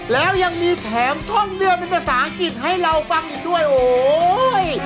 แล้วยังมีแถมท่อนเดือนเป็นภาษาอังกฤษให้เราฟังอีกด้วยโอ้ย